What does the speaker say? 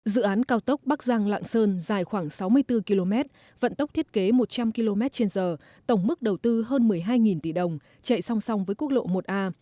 dự án cao tốc bắc giang lạng sơn dài khoảng sáu mươi bốn km vận tốc thiết kế một trăm linh km trên giờ tổng mức đầu tư hơn một mươi hai tỷ đồng chạy song song với quốc lộ một a